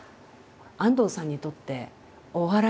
安藤さんにとってお笑いとは？